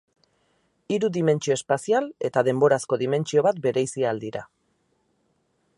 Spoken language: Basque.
Hiru dimentsio espazial eta denborazko dimentsio bat bereizi ahal dira.